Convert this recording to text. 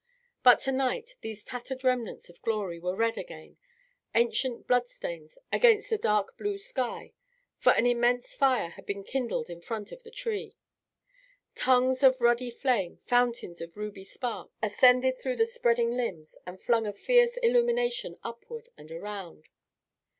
But to night these tattered remnants of glory were red again: ancient bloodstains against the dark blue sky. For an immense fire had been kindled in front of the tree. Tongues of ruddy flame, fountains of ruby sparks, ascended through the spreading limbs and flung a fierce illumination upward and around.